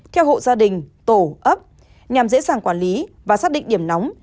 theo hộ gia đình tổ ấp nhằm dễ dàng quản lý và xác định điểm nóng